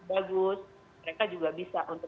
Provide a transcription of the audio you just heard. bagus mereka juga bisa